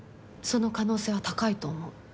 その可能性は高いと思う。